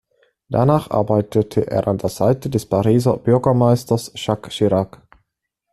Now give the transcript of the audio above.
Danach arbeitete er an der Seite des Pariser Bürgermeisters Jacques Chirac.